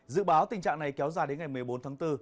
dự báo tình trạng này kéo dài đến ngày một mươi bốn tháng bốn